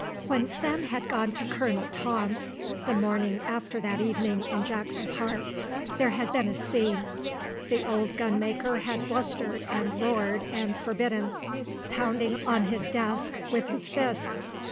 When Sam had gone to Colonel Tom the morning after that evening in Jackson Park, there had been a scene. The old gun maker had blustered and roared and forbidden, pounding on his desk with his fist.